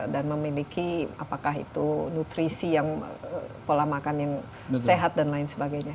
dan memiliki apakah itu nutrisi yang pola makan yang sehat dan lain sebagainya